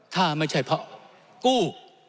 ถ้าไม่ใช่เพราะกู้